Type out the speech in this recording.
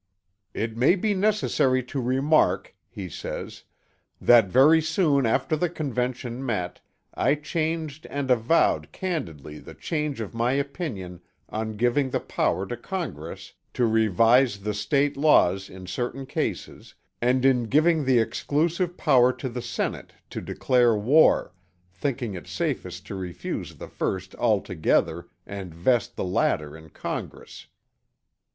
"It may be necessary to remark," he says, "that very soon after the Convention met I changed and avowed candidly the change of my opinion on giving the power to Congress to revise the State laws in certain cases, and in giving the exclusive power to the Senate to declare war, thinking it safest to refuse the first altogether and to vest the latter in Congress."